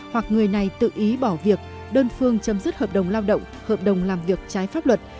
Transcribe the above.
hoặc người này tự ý bỏ việc đơn phương chấm dứt hợp đồng lao động hợp đồng làm việc trái pháp luật